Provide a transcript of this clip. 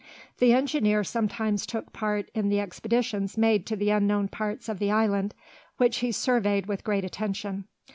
The engineer sometimes took part in the expeditions made to the unknown parts of the island, which he surveyed with great attention.